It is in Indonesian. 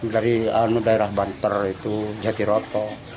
dari daerah banter itu jatiroto